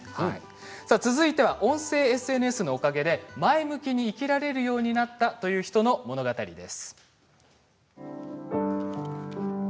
続いて音声ＳＮＳのおかげで前向きに生きられるようになったという方の物語です。